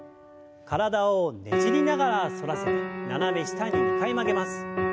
体をねじりながら反らせて斜め下に２回曲げます。